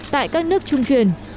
tại các nước trung truyền